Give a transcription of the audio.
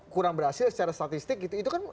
kurang berhasil secara statistik gitu itu kan